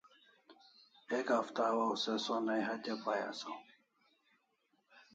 Ek hafta hawaw se sonai hatya pai asaw